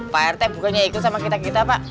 pak rt bukannya ikut sama kita kita pak